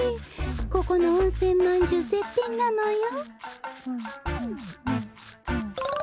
ここのおんせんまんじゅうぜっぴんなのよ。